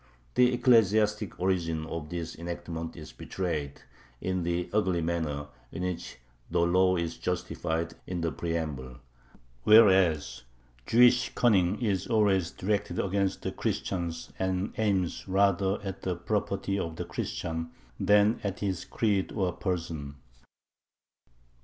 The ecclesiastic origin of this enactment is betrayed in the ugly manner in which the law is justified in the preamble: "Whereas Jewish cunning is always directed against the Christians and aims rather at the property of the Christian than at his creed or person...."